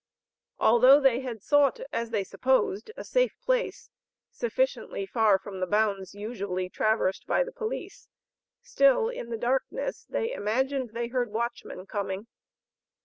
Although they had sought as they supposed a safe place, sufficiently far from the bounds usually traversed by the police; still, in the darkness, they imagined they heard watchmen coming.